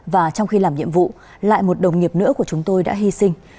và trong khi làm nhiệm vụ lại một đồng nghiệp nữa của chúng tôi đã hy sinh